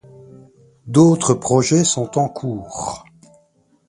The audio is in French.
D'autres projets sont en cours.